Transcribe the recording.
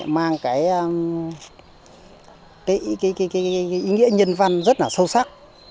mang cái ý nghĩa nhân văn rất là sâu sắc